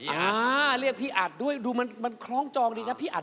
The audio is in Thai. อ่าเรียกพี่อัดด้วยดูมันมันคล้องจองดีนะพี่อัด